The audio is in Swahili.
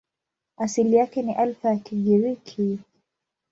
Asili yake ni Alfa ya Kigiriki.